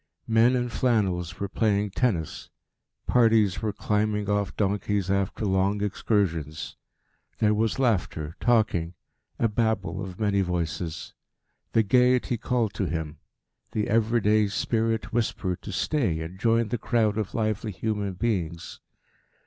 Men in flannels were playing tennis, parties were climbing off donkeys after long excursions; there was laughter, talking, a babel of many voices. The gaiety called to him; the everyday spirit whispered to stay and join the crowd of lively human beings.